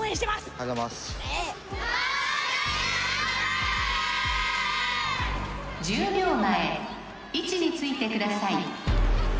ありがとうございます１０秒前位置についてください